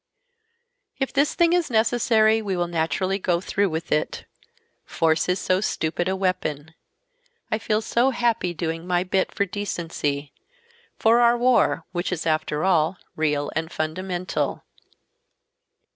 "If this thing is necessary we will naturally go through with it. Force is so stupid a weapon. I feel so happy doing my bit for decency for our war, which is after all, real and fundamental."